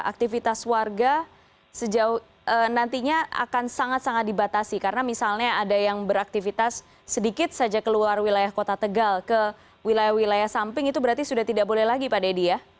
aktivitas warga sejauh nantinya akan sangat sangat dibatasi karena misalnya ada yang beraktivitas sedikit saja keluar wilayah kota tegal ke wilayah wilayah samping itu berarti sudah tidak boleh lagi pak dedy ya